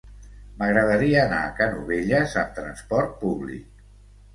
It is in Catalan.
M'agradaria anar a Canovelles amb trasport públic.